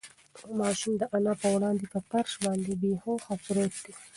ماشوم د انا په وړاندې په فرش باندې بې هوښه پروت و.